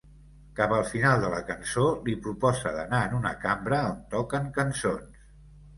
Cap al final de la cançó li proposa d'anar en una cambra on toquen cançons.